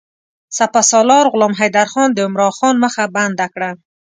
سپه سالار غلام حیدرخان د عمرا خان مخه بنده کړه.